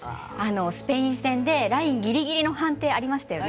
スペイン戦でラインギリギリの判定ありましたよね。